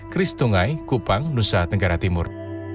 kris tunggai kupang nusa tenggara timur